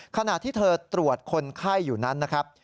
ขณะที่เธอตรวจคนไข้อยู่นั้นนะครับ